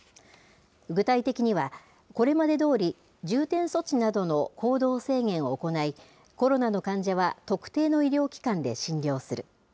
具体的には、これまでどおり、重点措置などの行動制限を行い、コロナの患者は特定の医療機関で診療する。